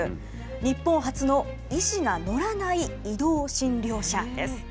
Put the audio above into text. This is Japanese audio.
日本初の医師が乗らない移動診療車です。